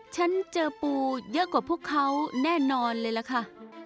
ฉันเจอปูเยอะกว่าพวกเขาแน่นอนเลยล่ะค่ะ